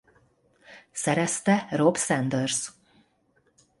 Szerezte Rob Sanders.